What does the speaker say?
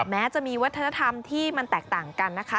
แม้จะมีวัฒนธรรมที่มันแตกต่างกันนะคะ